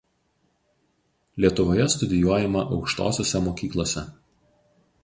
Lietuvoje studijuojama aukštosiose mokyklose.